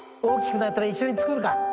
大きくなったら一緒に作るか。